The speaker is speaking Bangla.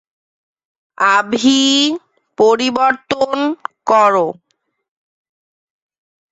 আভি, পরিবর্তন কর।